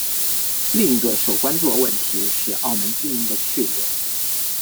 另一个受关注的问题是澳门居民的去留。